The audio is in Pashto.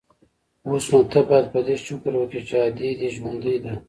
اوس نو ته بايد په دې شکر وکې چې ادې دې ژوندۍ ده.